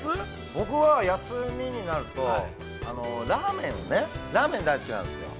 ◆僕は、休みになると、ラーメンを、ラーメン大好きなんですよ。